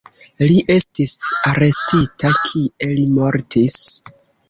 Li estis arestita, kie li mortis.